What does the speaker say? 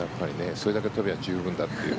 それだけ飛べば十分だという。